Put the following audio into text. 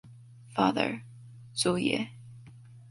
Father — Zhou Yue.